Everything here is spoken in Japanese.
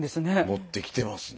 持ってきてますね。